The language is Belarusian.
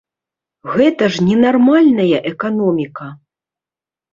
Гэта ж не нармальная эканоміка!